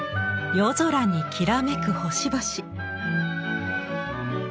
夜空にきらめく星々。